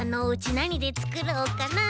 なにでつくろうかな？